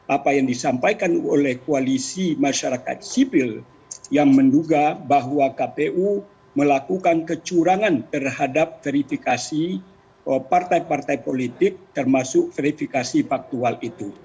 apa yang disampaikan oleh koalisi masyarakat sipil yang menduga bahwa kpu melakukan kecurangan terhadap verifikasi partai partai politik termasuk verifikasi faktual itu